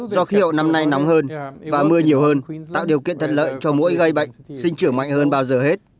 do khí hậu năm nay nóng hơn và mưa nhiều hơn tạo điều kiện thật lợi cho mỗi gây bệnh sinh trưởng mạnh hơn bao giờ hết